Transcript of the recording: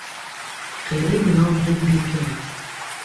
قیڕەی مناڵ دەنگی پیاو